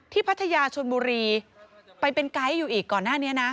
พัทยาชนบุรีไปเป็นไกด์อยู่อีกก่อนหน้านี้นะ